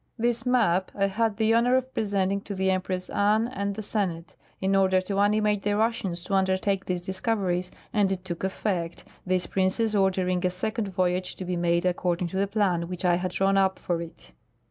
" This map I had tlae lionor of presenting to the Empress Anne and the Senate, in order to animate the Russians to undertake these discoveries, and it took effect, tliis princess ordering a second voyage to be made according to the plan which I had drawn up for it."